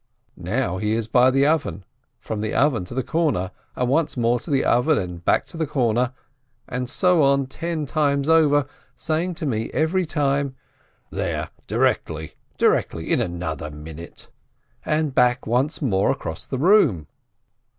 Now he is by the oven — from the oven to the corner — and once more to the oven and back to the corner — and so on ten times over, saying to me. every time: "There, directly, directly, in another minute," and back once more across the room.